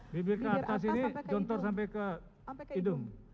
bibir ke atas ini jontor sampai ke hidung